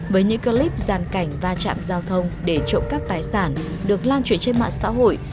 với những clip gian cảnh va chạm giao thông để trộm cắp tài sản được lan truyền trên mạng xã hội